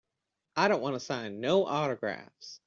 I don't wanta sign no autographs.